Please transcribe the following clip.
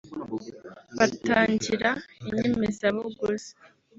batagira inyemezabuguzi